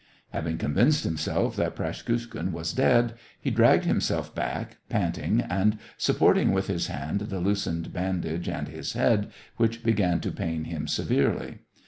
Having convinced himself that Praskukhin was dead, he dragged himself back, panting, and sup porting with his hand the loosened bandage and his head, which began to pain him severely.